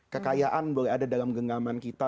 kekayaan boleh ada dalam genggaman kita